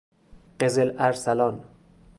قزل ارسلان